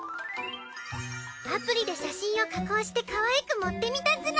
アプリで写真を加工してかわいく盛ってみたズラ。